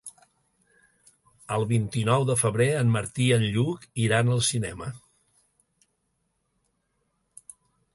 El vint-i-nou de febrer en Martí i en Lluc iran al cinema.